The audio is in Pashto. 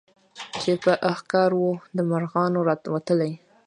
چي په ښکار وو د مرغانو راوتلی